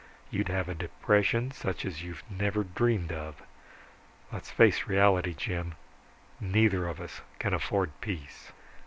You'd have a depression such as you've never dreamed of. Let's face reality, Jim, neither of us can afford peace."